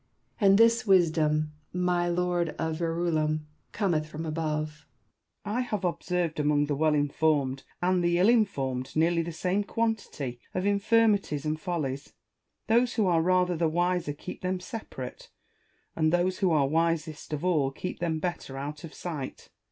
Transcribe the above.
And this wisdom, my Lord of Yerulam, cometh from above. Bacon. I have observed among the well informed and the ill informed nearly the same quantity of infirmities and follies : those who are rather the wiser keep them separate, and those who are wisest of all keep them better out of sight.